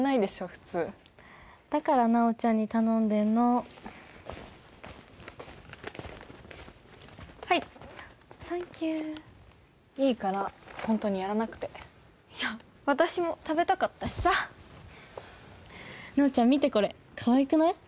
普通だから奈央ちゃんに頼んでんのーはいサンキューいいからホントにやらなくていや私も食べたかったしさ奈央ちゃん見てこれかわいくない？